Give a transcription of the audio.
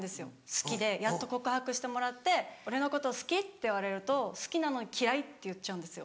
好きでやっと告白してもらって「俺のこと好き？」って言われると好きなのに「嫌い」って言っちゃうんですよ。